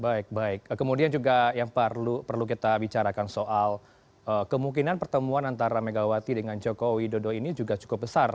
baik baik kemudian juga yang perlu kita bicarakan soal kemungkinan pertemuan antara megawati dengan joko widodo ini juga cukup besar